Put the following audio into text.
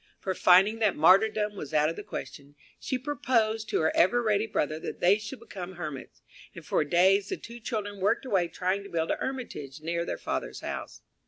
For, finding that martyrdom was out of the question, she proposed to her ever ready brother that they should become hermits, and for days the two children worked away trying to build a hermitage near their father's house.